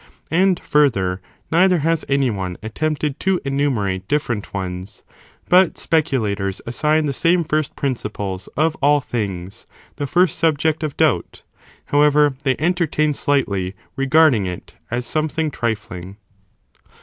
And, further, neither has any one attempted to enumerate different ones ; but speculators assign the same first principles of all things — the &st subject of doubt, however, they entertain slightly,* regarding it as something trifling.